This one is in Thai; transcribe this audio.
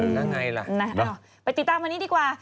แล้วไงล่ะหรือเปล่าไปติดตามวันนี้ดีกว่า